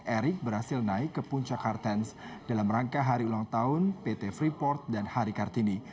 erick berhasil naik ke puncak kartens dalam rangka hari ulang tahun pt freeport dan hari kartini